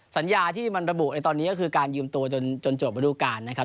สัญญาที่มันระบุในตอนนี้ก็คือการยืมตัวจนจบระดูการนะครับ